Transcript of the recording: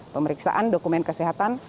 pemeriksaan dokumen kesehatan